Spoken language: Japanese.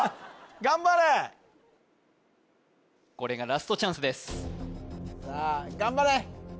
頑張れこれがラストチャンスですさあ